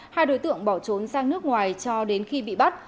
hai đối tượng bỏ trốn sang nước ngoài cho đến khi bị bắt